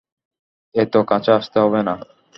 এত কাছে আসতে হবে না।